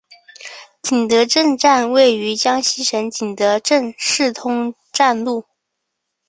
景德镇站位于江西省景德镇市通站路。